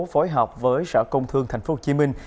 phối hợp với sở công thương thành phố hồ chí minh